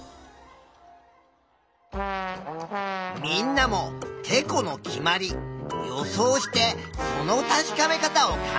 みんなも「てこの決まり」予想してその確かめ方を考えてみてくれ。